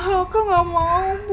kakak nggak mau bu